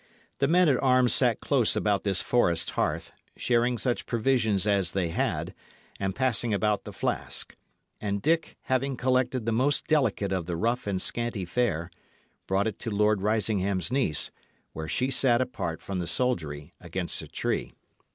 The men at arms sat close about this forest hearth, sharing such provisions as they had, and passing about the flask; and Dick, having collected the most delicate of the rough and scanty fare, brought it to Lord Risingham's niece, where she sat apart from the soldiery against a tree.